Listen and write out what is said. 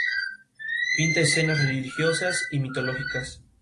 Pinta escenas religiosas y mitológicas.